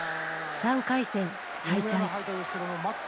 ３回戦、敗退。